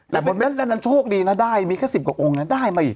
เราก็นั่นเป็นโชคดีนะได้แค่สิบกลับองค์นั้นได้มาอีก